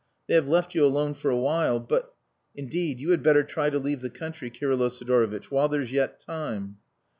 They have left you alone for a while, but...! Indeed, you had better try to leave the country, Kirylo Sidorovitch, while there's yet time."